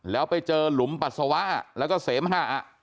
แล้วไปเจอหลุมปัสสาวะแล้วก็เสมหะ